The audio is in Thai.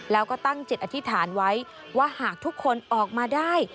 แล้วก็ตั้งจิตอธิษฐานไว้ว่าหากทุกคนออกมาได้